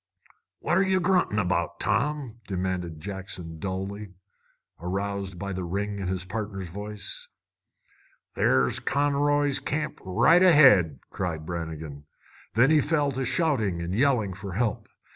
"What're ye gruntin' about, Tom?" demanded Jackson dully, aroused by the ring in his partner's voice. "There's Conroy's Camp right ahead!" cried Brannigan. Then he fell to shouting and yelling for help.